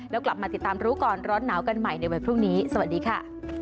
แล้วกลับมาติดตามรู้ก่อนร้อนหนาวกันใหม่ในวันพรุ่งนี้สวัสดีค่ะ